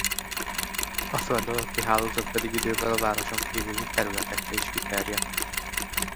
A föld alatti hálózat pedig idővel a városon kívüli területekre is kiterjedt.